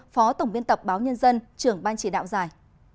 phó tổng biên tập báo nhân dân trưởng ban chỉ đạo giải